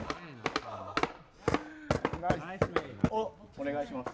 お願いします